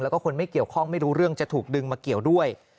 แล้วก็คนไม่เกี่ยวข้องไม่รู้เรื่องจะถูกดึงมาเกี่ยวด้วย